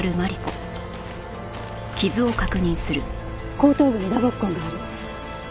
後頭部に打撲痕がある。